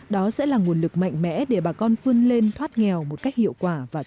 đó sẽ là nguồn lực mạnh mẽ để bà con phương lên thoát nghèo một cách hiệu quả và thực chất